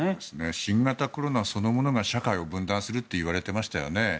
新型コロナそのものが社会を分断するっていわれていましたよね。